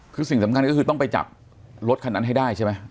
คือสิ่งสำคัญก็คือต้องไปจับรถคันนั้นให้ได้ใช่ไหม